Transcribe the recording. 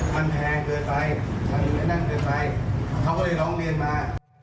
มันแพงเกินไปมันไม่แน่นเกินไปเขาก็เลยร้องเรียนมา